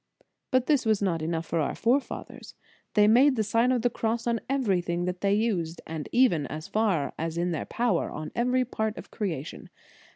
But this was not enough for our forefathers. They made the Sign of the Cross on every thing that they used, and even, as far as in their power, on every part of creation.